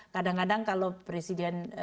kadang kadang kalau presiden